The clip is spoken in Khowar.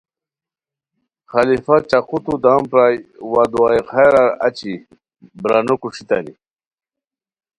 خلیفہ چاقوتو دم پرائے وا دعائے خیرار اچی برانو کوݰیتانی